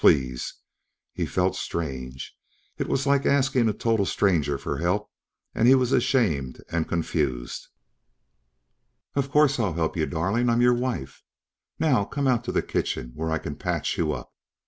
Please!" He felt strange. It was like asking a total stranger for help, and he was ashamed and confused. "Of course I'll help you, darling. I'm your wife. Now come out to the kitchen where I can patch you up."